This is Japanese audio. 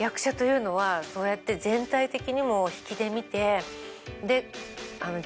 そうやって全体的にも引きで見て。